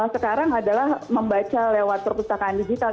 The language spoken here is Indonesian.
sekarang adalah membaca lewat perpustakaan digital